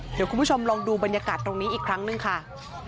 เดี๋ยวคุณผู้ชมลองดูบรรยากาศตรงนี้อีกครั้งหนึ่งค่ะ